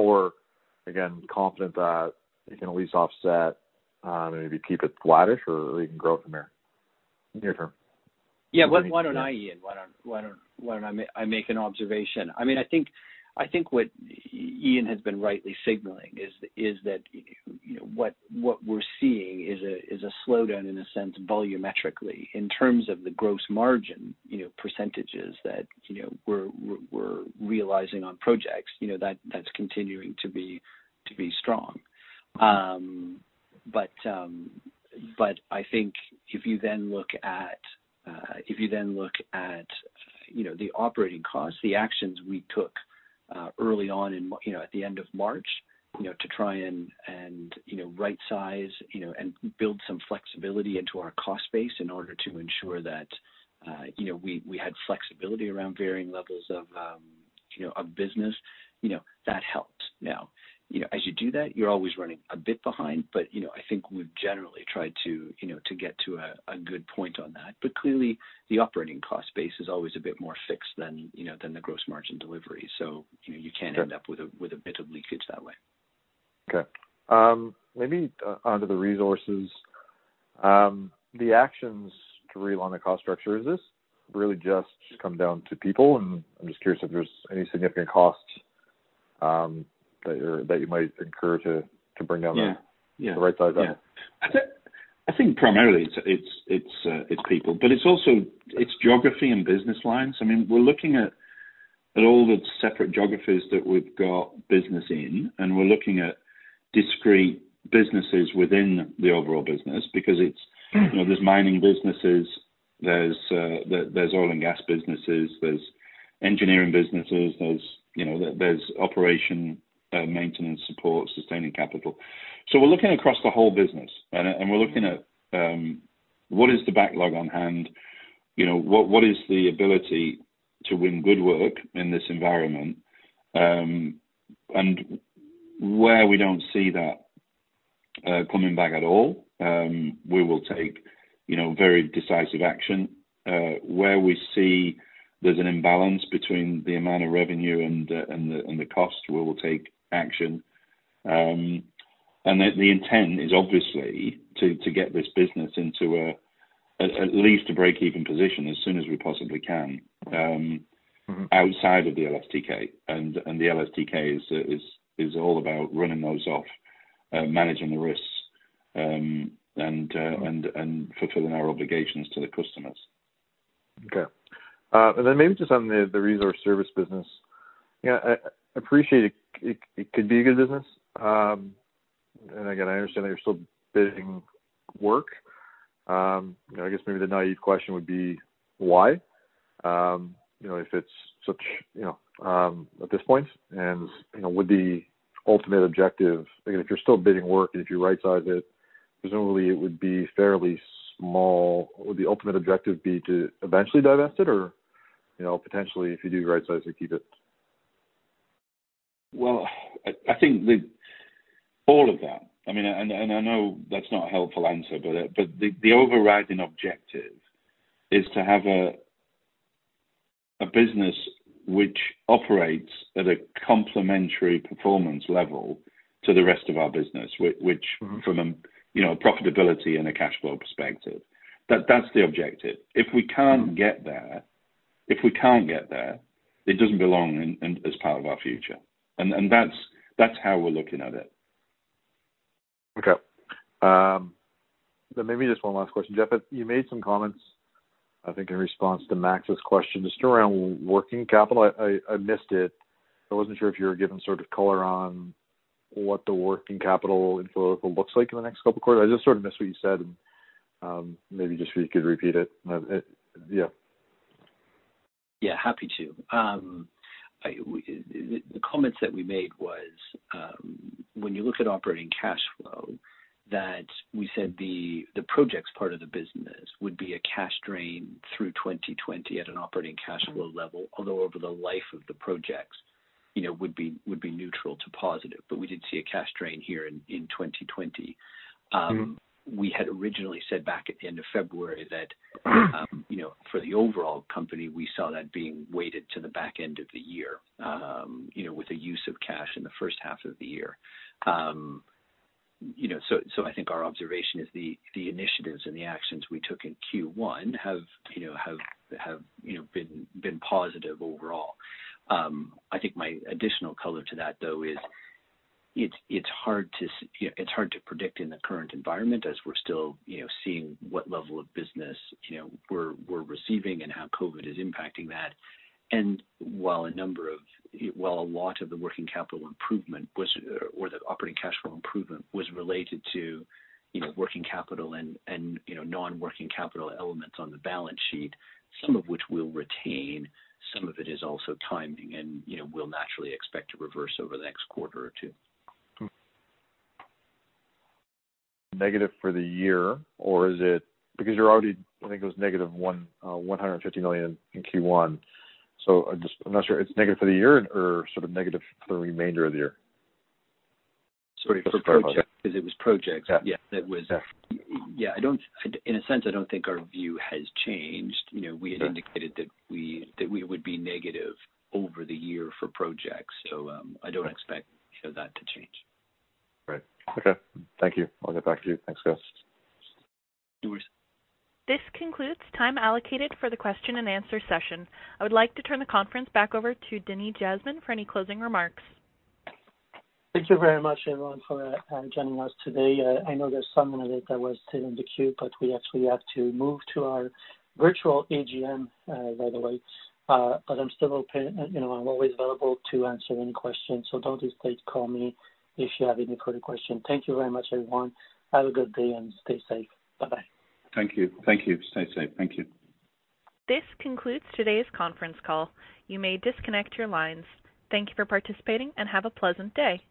Again, confident that you can at least offset and maybe keep it flattish or even grow from there near term? Yeah. Why don't I, Ian, why don't I make an observation? I think what Ian has been rightly signaling is that what we're seeing is a slowdown, in a sense, volumetrically in terms of the gross margin percentages that we're realizing on projects. That's continuing to be strong. I think if you then look at the operating costs, the actions we took early on at the end of March to try and right size and build some flexibility into our cost base in order to ensure that we had flexibility around varying levels of business, that helped. Now, as you do that, you're always running a bit behind, but I think we've generally tried to get to a good point on that. Clearly the operating cost base is always a bit more fixed than the gross margin delivery. You can end up with a bit of leakage that way. Okay. Maybe onto the resources. The actions to realign the cost structure, is this really just come down to people? I'm just curious if there's any significant costs that you might incur to bring down. Yeah the right size back. I think primarily it's people, but it's also geography and business lines. I mean, we're looking at all the separate geographies that we've got business in, and we're looking at discrete businesses within the overall business because it's. there's mining businesses, there's oil and gas businesses, there's engineering businesses, there's operation maintenance support, sustaining capital. We're looking across the whole business and we're looking at what is the backlog on hand, what is the ability to win good work in this environment, and where we don't see that coming back at all, we will take very decisive action. Where we see there's an imbalance between the amount of revenue and the cost, we will take action. The intent is obviously to get this business into at least a break-even position as soon as we possibly can. outside of the LSTK. The LSTK is all about running those off, managing the risks, and fulfilling our obligations to the customers. Okay. Then maybe just on the resource service business, I appreciate it could be a good business. Again, I understand that you're still bidding work. I guess maybe the naive question would be why? If it's at this point, would the ultimate objective, again, if you're still bidding work and if you right-size it, presumably it would be fairly small. Would the ultimate objective be to eventually divest it or potentially if you do right-size it, keep it? Well, I think all of that. I mean, and I know that's not a helpful answer, but the overriding objective is to have a business which operates at a complementary performance level to the rest of our business, which. from a profitability and a cash flow perspective. That's the objective. If we can't get there, it doesn't belong as part of our future. That's how we're looking at it. Okay. Maybe just one last question, Jeff. You made some comments, I think in response to Max's question, just around working capital. I missed it. I wasn't sure if you were giving sort of color on what the working capital in Florida looks like in the next couple quarters. I just sort of missed what you said, and maybe just if you could repeat it. Yeah. Yeah, happy to. The comments that we made was, when you looked at operating cash flow, that we said the projects part of the business would be a cash drain through 2020 at an operating cash flow level, although over the life of the projects would be neutral to positive. We did see a cash drain here in 2020. We had originally said back at the end of February that for the overall company, we saw that being weighted to the back end of the year, with a use of cash in the H1 of the year. I think our observation is the initiatives and the actions we took in Q1 have been positive overall. I think my additional color to that, though, is it's hard to predict in the current environment as we're still seeing what level of business we're receiving and how COVID is impacting that. While a lot of the working capital improvement or the operating cash flow improvement was related to working capital and non-working capital elements on the balance sheet, some of which we'll retain, some of it is also timing and will naturally expect to reverse over the next quarter or two. Negative for the year? You're already, I think it was negative 150 million in Q1. I'm not sure, it's negative for the year or sort of negative for the remainder of the year? Just to clarify. Sorry, for projects, because it was projects. Yeah. In a sense, I don't think our view has changed. We had indicated that we would be negative over the year for Projects. I don't expect that to change. Right. Okay. Thank you. I'll get back to you. Thanks, guys. No worries. This concludes time allocated for the question and answer session. I would like to turn the conference back over to Denis Jasmin for any closing remarks. Thank you very much, everyone, for joining us today. I know there's some of it that was still in the queue. We actually have to move to our virtual AGM, by the way. I'm still open and I'm always available to answer any questions, so don't hesitate to call me if you have any further questions. Thank you very much, everyone. Have a good day and stay safe. Bye-bye. Thank you. Stay safe. Thank you. This concludes today's conference call. You may disconnect your lines. Thank you for participating and have a pleasant day.